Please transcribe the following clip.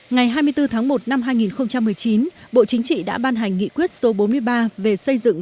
ngày hai mươi bốn tháng một năm hai nghìn một mươi chín bộ chính trị đã ban hành nghị quyết số bốn mươi ba về xây dựng